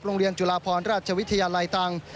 โรงเรียนจุฬาพรรณรัชวิทยาลัยตังค์